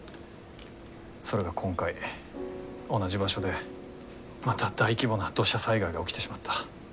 それが今回同じ場所でまた大規模な土砂災害が起きてしまった。